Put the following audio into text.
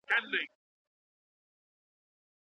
ولي لېواله انسان د مخکښ سړي په پرتله لوړ مقام نیسي؟